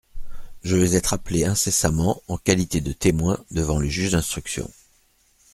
Je vais être appelé incessamment, en qualité de témoin, devant le juge d'instruction.